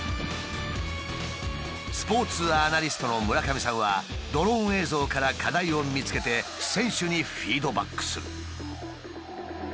スポーツアナリストの村上さんはドローン映像から課題を見つけて選手にフィードバックする。